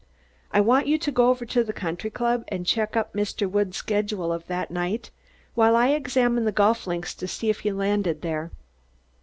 I want you to go over to the country club and check up Mr. Woods' schedule of that night while I examine the golf links to see if he landed there."